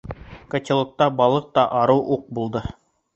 Котелокта балыҡ та арыу уҡ булды.